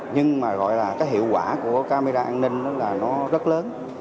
nhưng mà gọi là cái hiệu quả của camera an ninh là nó rất lớn